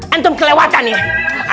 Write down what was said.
antum kelewatan ya